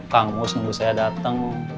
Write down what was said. kang uus nunggu saya dateng